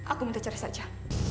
aku minta cari saja